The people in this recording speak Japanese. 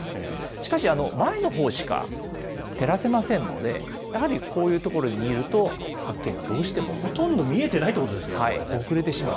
しかし、前のほうしか照らせませんので、やはり、こういう所にいほとんど見えてないってこと遅れてしまう。